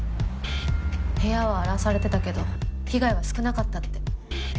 部屋は荒らされてたけど被害は少なかったって。